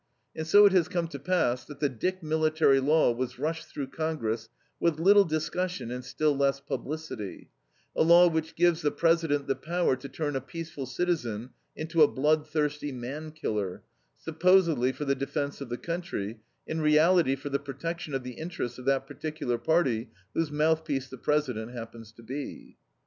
And so it has come to pass that the Dick military law was rushed through Congress with little discussion and still less publicity, a law which gives the President the power to turn a peaceful citizen into a bloodthirsty man killer, supposedly for the defense of the country, in reality for the protection of the interests of that particular party whose mouthpiece the President happens to be.